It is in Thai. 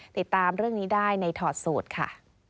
ติดตามเรื่องนี้ได้ในถอดสูตรค่ะ